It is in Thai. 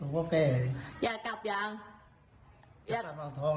แม่จะให้ขับรถให้นั่ง